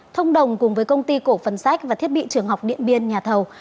thông đồng cùng với công ty cổ phần sách và thiết bị trường học điện biên nhà thầu